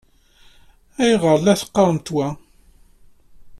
Ayɣer i la teqqaṛemt wa?